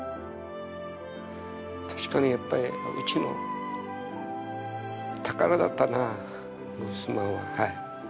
確かにやっぱりうちの宝だったなグスマンは。